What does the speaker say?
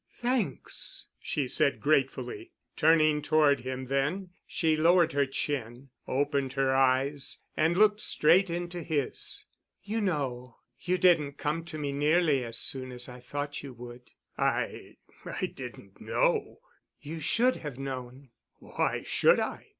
"Thanks," she said gratefully. Turning toward him then, she lowered her chin, opened her eyes, and looked straight into his. "You know, you didn't come to me nearly as soon as I thought you would." "I—I didn't know——" "You should have known." "Why should I——?"